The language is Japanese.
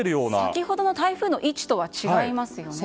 先ほどの台風の位置とは違いますね。